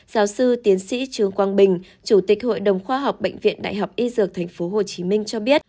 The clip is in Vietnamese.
giáo sư tiến sĩ trương quang bình chủ tịch hội đồng khoa học bệnh viện đại học y dược tp hcm cho biết